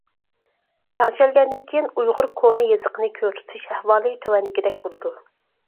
تەڭشەلگەندىن كېيىن ئۇيغۇر كونا يېزىقىنى كۆرسىتىش ئەھۋالى تۆۋەندىكىدەك بولىدۇ.